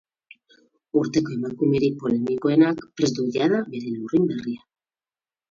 Urteko emakumerik polemikoenak prest du jada bere lurrin berria.